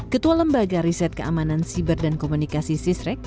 ketua lembaga bintang raib berkata